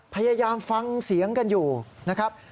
พยายามฟังเสียงกันอยู่นะครับ